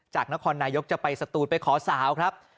จากนครนายกจะไปสตูนไปขอสาวครับ